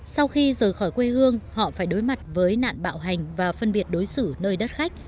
sau khi rời khỏi quê hương họ phải đối mặt với nạn bạo hành và phân biệt đối xử nơi đất khách